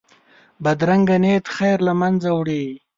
بدرنګه نیت خیر له منځه وړي